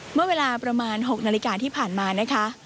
เมื่อเวลาประมาณ๖นาฬิกาที่ผ่านมานะคะ